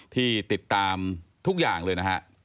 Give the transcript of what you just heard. ที่ติดตามทุกอย่างเลยนะฮะ